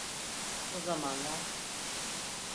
O zamanlar…